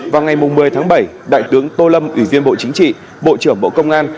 vào ngày một mươi tháng bảy đại tướng tô lâm ủy viên bộ chính trị bộ trưởng bộ công an